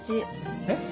えっ？